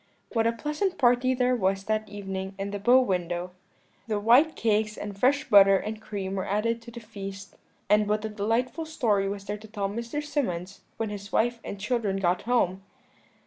"What a pleasant party there was that evening in the bow window! the white cakes and fresh butter and cream were added to the feast; and what a delightful story was there to tell to Mr. Symonds when his wife and children got home!